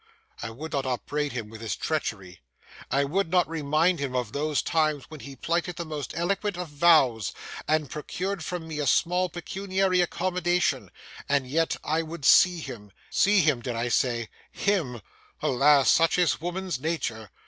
I would not upbraid him with his treachery; I would not remind him of those times when he plighted the most eloquent of vows, and procured from me a small pecuniary accommodation; and yet I would see him—see him did I say—him—alas! such is woman's nature.